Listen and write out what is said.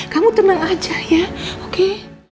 kamu tenang aja ya oke